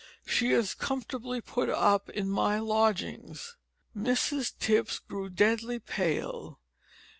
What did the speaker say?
She is comfortably put up in my lodgings." Mrs Tipps grew deadly pale.